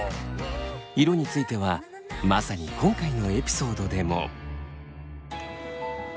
色についてはまさに今回のエピソードでも。